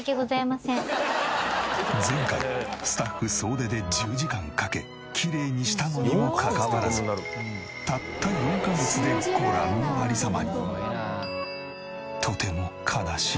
前回スタッフ総出で１０時間かけきれいにしたのにもかかわらずたった４カ月でご覧の有り様に。